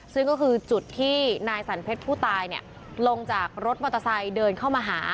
ซึ่งก็คือจุดที่นายสันเพชรผู้ตายลงจากรถมอเตอร์ไซค์เดินเข้ามาหา